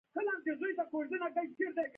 موزیک د پاڼو په شرنګ کې راځي.